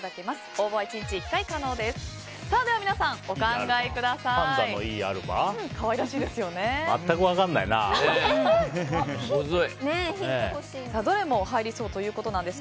応募は１日１回可能です。